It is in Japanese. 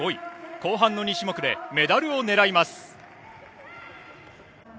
後半の２種目でメダルを狙います。